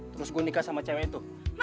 terus gue nikah sama cewek tuh